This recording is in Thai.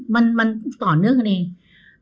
มันต่อเนื่องกันเอง